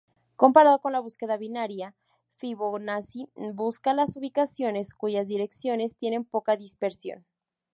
Comparado con la búsqueda binaria, Fibonacci busca las ubicaciones cuyas direcciones tienen poca dispersión.